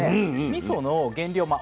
みその原料ま